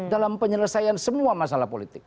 dalam penyelesaian semua masalah politik